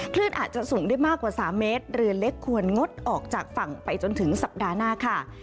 คลื่นอาจจะสูงได้มากกว่า๓เมตรเรือเล็กควรงดออกจากฝั่งไปจนถึงสัปดาห์หน้าค่ะ